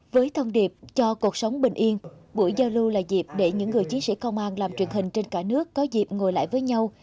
với thông điệp cho cuộc sống bình yên buổi giao lưu là dịp để những người chiến sĩ công an làm truyền hình trên cả nước có dịp ngồi lại với nhau